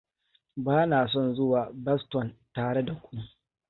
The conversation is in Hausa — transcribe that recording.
Bana son zuwa Boston tare da ku.